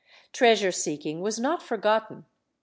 ^ Treasure seeking was not forgotten.